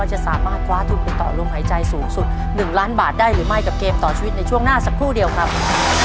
จะสามารถคว้าทุนไปต่อลมหายใจสูงสุด๑ล้านบาทได้หรือไม่กับเกมต่อชีวิตในช่วงหน้าสักครู่เดียวครับ